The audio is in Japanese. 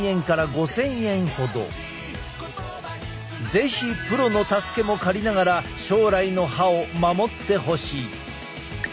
是非プロの助けも借りながら将来の歯を守ってほしい。